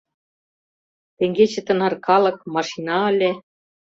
«Теҥгече тынар калык, машина ыле.